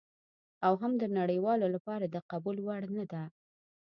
او هم د نړیوالو لپاره د قبول وړ نه ده.